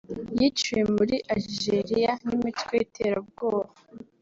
yiciwe muri aljeriya n’imitwe y’iterabwoba